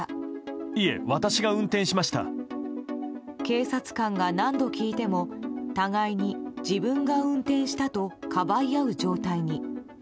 警察官が何度聞いても互いに自分が運転したとかばい合う状態に。